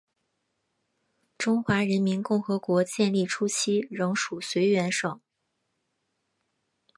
中华人民共和国建立初期仍属绥远省。